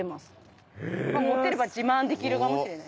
持ってれば自慢できるかもしれない。